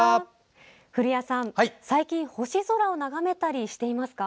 古谷さん、最近星空を眺めたりしていますか？